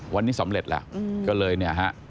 วันนี้สำเร็จแล้วก็เลยเนี่ยฮะ